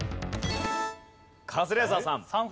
カズレーザーさん。